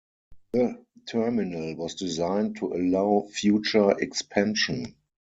The terminal was designed to allow future expansion.